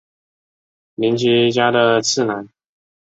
绫崎家的次男。